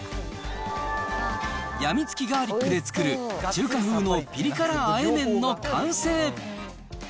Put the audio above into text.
やみつきガーリックで作る中華風のピリ辛和えめんの完成。